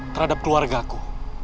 terhadap keluarga ku